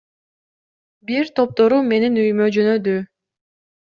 Бир топтору менин үйүмө жөнөдү.